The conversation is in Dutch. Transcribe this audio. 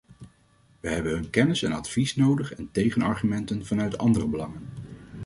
We hebben hun kennis en advies nodig en tegenargumenten vanuit andere belangen.